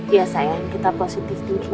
iya sayang kita positif thinking aja ya